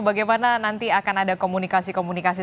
bagaimana nanti akan ada komunikasi komunikasi